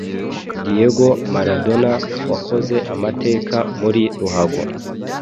Diego Maradona wakoze amateka muri ruhago